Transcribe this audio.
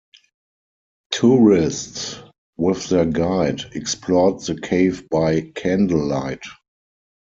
Tourists, with their guide, explored the cave by candlelight.